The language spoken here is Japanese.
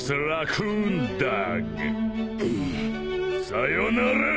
さよなら！